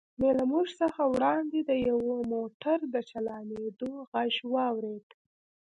مې له موږ څخه وړاندې د یوه موټر د چالانېدو غږ واورېد.